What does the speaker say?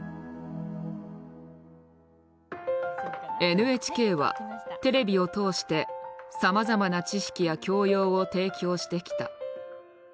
ＮＨＫはテレビを通してさまざまな知識や教養を提供してきた。